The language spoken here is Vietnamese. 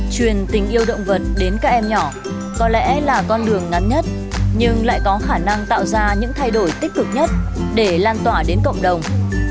truyền tình yêu động vật đến các em nhỏ có lẽ là con đường ngắn nhất nhưng lại có khả năng tạo ra những thay đổi tích cực nhất để lan tỏa đến cộng đồng